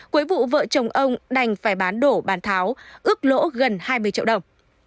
cuối vụ vợ chồng ông đành phải bán đổ bàn tháo ước lỗ gần hai mươi triệu đồng